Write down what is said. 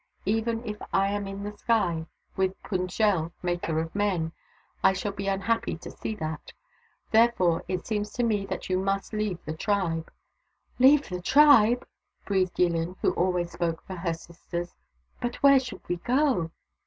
Even if I am in the sky with Pund jel, Maker of Men, I shall be unhappy to see that. Therefore, it seems to me that you must leave the tribe." " Leave the tribe !" breathed Yillin, who always spoke for her sisters. " But where should we go